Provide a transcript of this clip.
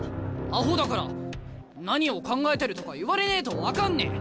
アホだから何を考えてるとか言われねえと分かんねえ。